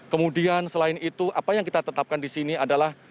kemudian selain itu apa yang kita tetapkan di sini adalah